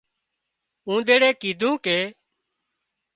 اونۮيڙي ڪيڌو ڪي